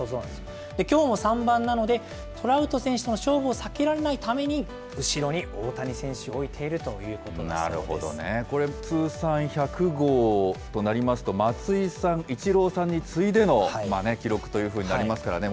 きょうも３番なので、トラウト選手の勝負を避けられないために、後ろに大谷選手を置いているといなるほどね、これ、通算１００号となりますと、松井さん、イチローさんに次いでの記録というふうになりますからね。